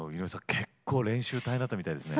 結構練習大変だったみたいですね。